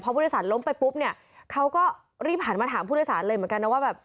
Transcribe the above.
ผู้โดยสารล้มไปปุ๊บเนี่ยเขาก็รีบหันมาถามผู้โดยสารเลยเหมือนกันนะว่าแบบ